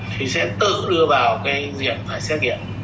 thì sẽ tự đưa vào cái việc phải xét nghiệm